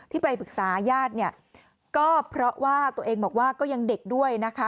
ไปปรึกษาญาติเนี่ยก็เพราะว่าตัวเองบอกว่าก็ยังเด็กด้วยนะคะ